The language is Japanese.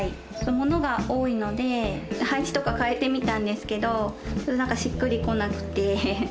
物が多いので配置とか変えてみたんですけどしっくりこなくて。